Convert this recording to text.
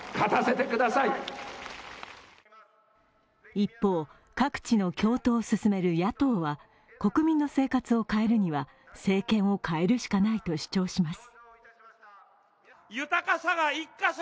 一方、各地の共闘を進める野党は国民の生活を変えるには政権を変えるしかないと主張します。